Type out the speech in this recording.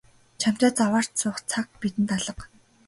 Чамтай заваарч суух цаг бидэнд алга.